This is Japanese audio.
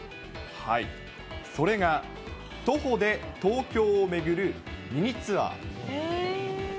それが徒歩で東京を巡るミニツアー。